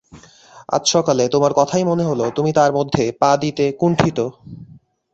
আজ সকালে তোমার কথায় মনে হল, তুমি তার মধ্যে পা দিতে কুণ্ঠিত।